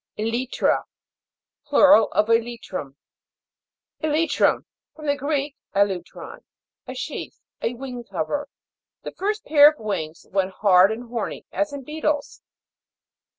E'LYTRA. Plural of Elytrum. E'LYTRUM. From the Greek, elutron, a sheath. A wing cover. The first pair of wings, when hard and horny, as in beetles.